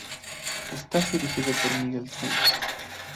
Está dirigido por Miguel Sánchez.